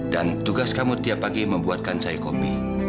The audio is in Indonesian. dan tugas kamu tiap pagi membuatkan saya kopi